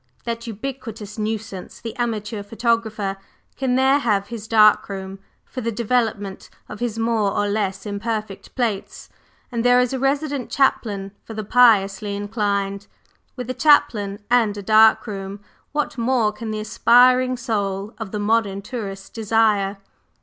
That ubiquitous nuisance, the "amateur photographer," can there have his "dark room" for the development of his more or less imperfect "plates"; and there is a resident chaplain for the piously inclined. With a chaplain and a "dark room," what more can the aspiring soul of the modern tourist desire?